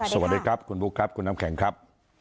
สวัสดีครับคุณบุ๊คครับคุณน้ำแข็งครับ